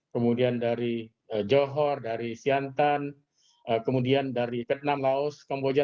kemudian dari johor dari siantan kemudian dari vietnam laos kamboja